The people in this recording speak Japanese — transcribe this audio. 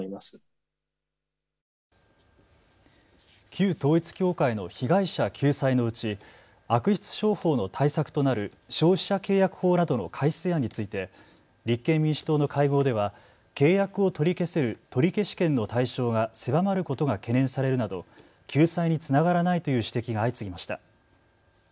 旧統一教会の被害者救済のうち悪質商法の対策となる消費者契約法などの改正案について、立憲民主党の会合では契約を取り消せる、取消権の対象が狭まることが懸念されるなど救済につながらないという指摘が相次ぎました。